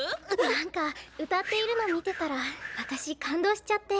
・何か歌っているの見てたら私感動しちゃって。